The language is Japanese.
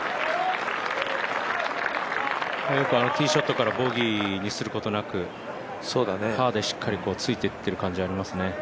ティーショットからボギーにすることなく、パーでしっかりついていってる感じありますね。